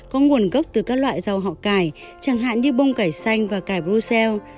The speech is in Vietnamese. có nguồn gốc từ các loại rau họ cải chẳng hạn như bông cải xanh và cải brosele